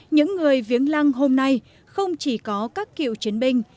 những người viếng lăng hôm nay không chỉ có các cựu chiến binh